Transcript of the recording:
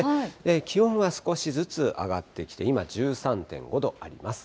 気温は少しずつ上がってきて今、１３．５度あります。